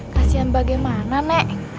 kasihan bagaimana nek